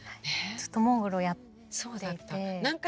ずっとモーグルをやっていて。